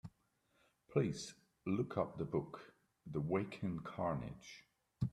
Please look up the book, The Wacken Carnage.